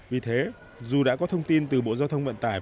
vì thế dù đã có thông tin từ bộ giao thông vận tải